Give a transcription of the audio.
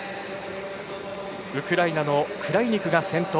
ウクライナのクライニクが先頭。